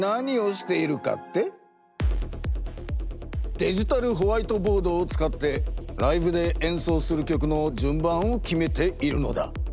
デジタルホワイトボードを使ってライブでえんそうする曲のじゅんばんを決めているのだ。